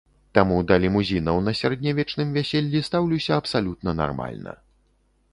Таму да лімузінаў на сярэднявечным вяселлі стаўлюся абсалютна нармальна.